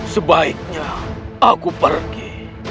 sebaiknya aku pergi